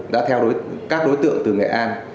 đã theo các đối tượng từ nghệ an